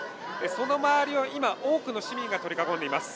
その周りを今、多くの市民が取り囲んでいます。